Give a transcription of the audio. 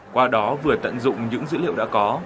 qua đó vừa tận dụng những dữ liệu đã có